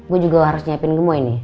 gue juga harus siapin gemoy nih